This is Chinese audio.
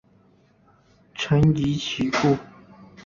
臣疑其故。